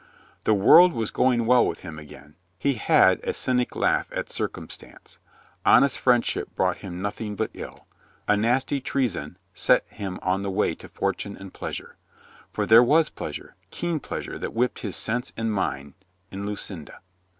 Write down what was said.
The world w,as going well with him again. He had a cynic laugh at circumstance. Honest friend ship brought him nothing but ill. A nasty treason set him on the way to fortune and pleasure. For there was pleasure, keen pleasure that whipped his sense and mind, in Lucinda.